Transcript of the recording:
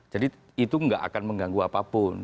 jadi itu tidak akan mengganggu apapun